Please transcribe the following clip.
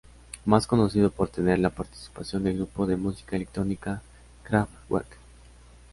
Más conocido por tener la participación de grupo de música electrónica Kraftwerk.